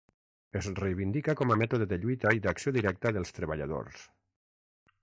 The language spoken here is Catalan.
Es reivindica com a mètode de lluita i d'acció directa dels treballadors.